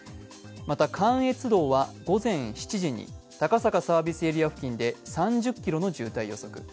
また関越道は午前７時に高坂サービスエリアで３０ｋｍの渋滞予測。